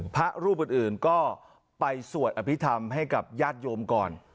พระรูปอื่นก็ไปสวดอภิษฐรรมให้กับญาติโยมก่อน